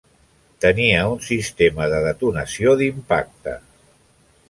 Tenia un sistema de detonació d'impacte.